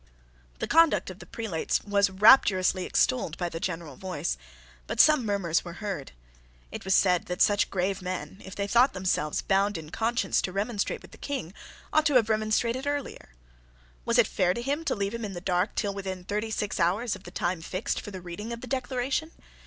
The conduct of the prelates was rapturously extolled by the general voice: but some murmurs were heard. It was said that such grave men, if they thought themselves bound in conscience to remonstrate with the King, ought to have remonstrated earlier. Was it fair to him to leave him in the dark till within thirty six hours of the time fixed for the reading of the Declaration?